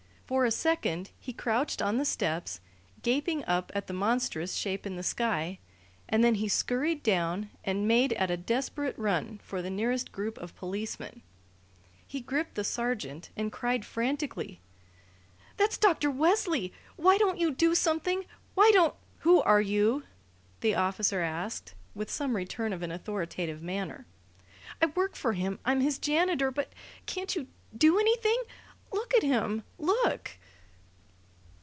For a second he crouched on the steps, gaping up at the monstrous shape in the sky, and then he scurried down and made at a desperate run for the nearest group of policemen. He gripped the sergeant and cried frantically: "That's Dr. Wesley! Why don't you do something? Why don't " "Who are you?" the officer asked, with some return of an authoritative manner. "I work for him. I'm his janitor. But can't you do anything? Look at him! Look!"